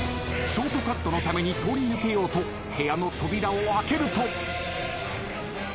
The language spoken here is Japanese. ショートカットのために通り抜けようと部屋の扉を開けると。